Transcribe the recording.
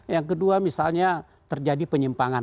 yang kedua misalnya terjadi penyimpangan